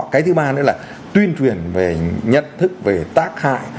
cái thứ ba nữa là tuyên truyền về nhận thức về tác hại